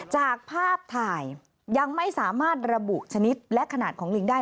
จากภาพถ่ายยังไม่สามารถระบุชนิดและขนาดของลิงได้